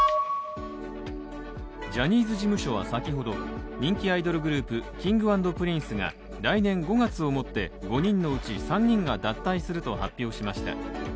ジャニーズ事務所は先ほど人気アイドルグループ・Ｋｉｎｇ＆Ｐｒｉｎｃｅが来年５月をもって５人のうち３人が脱退すると発表しました。